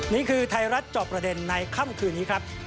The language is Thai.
นี่คือไทยรัฐจอบประเด็นในค่ำคืนนี้ครับ